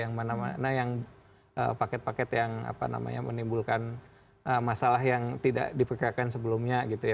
yang mana mana yang paket paket yang menimbulkan masalah yang tidak diperkirakan sebelumnya gitu ya